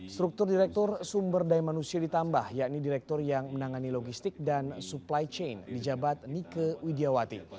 struktur direktur sumber daya manusia ditambah yakni direktur yang menangani logistik dan supply chain di jabat nike widiawati